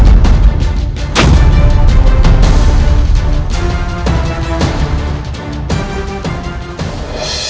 sampai dia muncul